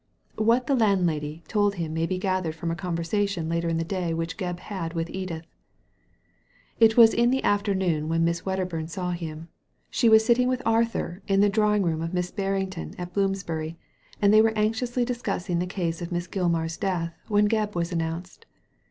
What the landlady told him may be gathered from a conver sation later in the day which Gebb had yirith Edith. It was in the afternoon when Miss Wedderbum saw him. She was sitting with Arthur in the drawing, room of Mrs. Barrington at Bloomsbury, and they were anxiously discussing the case of Miss Gilmar*s death when Gebb was announced.